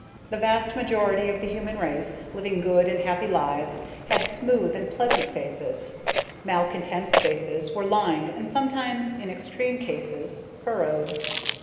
The vast majority of the human race, living good and happy lives, had smooth and pleasant faces. Malcontents' faces were lined and sometimes, in extreme cases, furrowed.